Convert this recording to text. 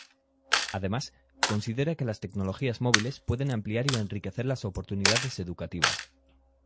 Además considera que las tecnologías móviles pueden ampliar y enriquecer las oportunidades educativas.